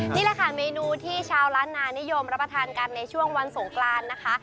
นี่แหละค่ะเมนูที่ชาวล้านนานิยมรับประทานกันในช่วงวันสงกรานนะคะ